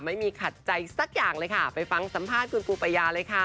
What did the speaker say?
ไม่มีขัดใจสักอย่างเลยค่ะไปฟังสัมภาษณ์คุณปูปายาเลยค่ะ